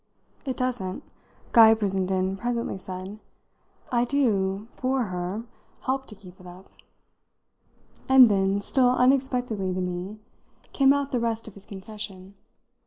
"It doesn't," Guy Brissenden presently said. "I do 'for' her help to keep it up." And then, still unexpectedly to me, came out the rest of his confession.